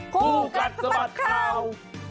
ผู้กัดสมัครคราว